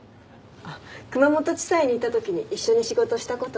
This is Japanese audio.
熊本地裁にいた時に一緒に仕事した事あるの。